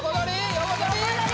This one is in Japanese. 横取り？